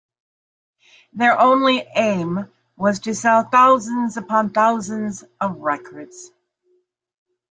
Their only aim was to sell thousands upon thousands of records.